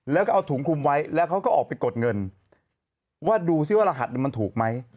แล้วก็เอาถุงคุมไว้แล้วเขาก็ออกไปกดเงินว่าดูซิว่ารหัสมันถูกไหม